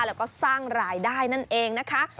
แล้วก็สร้างรายได้นั่นเองนะคะ